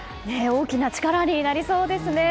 大きな力になりそうですね。